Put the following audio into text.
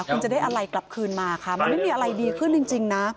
คุณจะได้อะไรกลับคืนมาค่ะมันไม่มีอะไรดีขึ้นจริงนะ